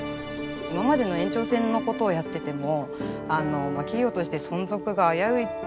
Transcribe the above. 今までの延長線のことをやってても企業として存続が危うい。